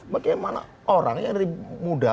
bagaimana orang yang dari muda